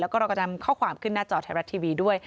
แล้วก็เราก็นำข้อความขึ้นหน้าจอไทยรัฐทีวีด้วย